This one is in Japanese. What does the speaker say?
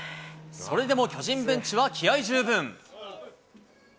それでも巨人ベンチは気合十分。